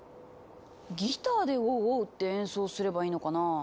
ギターで「ウォウウォウ」って演奏すればいいのかな？